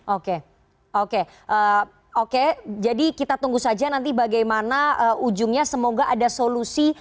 oke oke jadi kita tunggu saja nanti bagaimana ujungnya semoga ada solusi